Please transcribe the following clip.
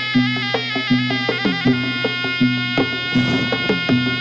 สวัสดีครับ